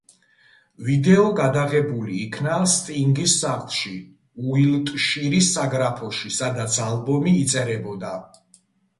ვიდეო გადაღებული იქნა სტინგის სახლში, უილტშირის საგრაფოში, სადაც ალბომი იწერებოდა.